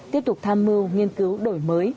tiếp tục tham mưu nghiên cứu đổi mới